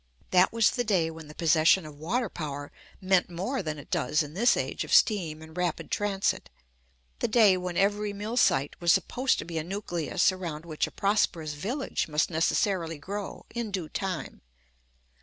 That was the day when the possession of water power meant more than it does in this age of steam and rapid transit, the day when every mill site was supposed to be a nucleus around which a prosperous village must necessarily grow in due time.